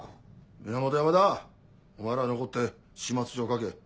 源山田お前らは残って始末書を書け。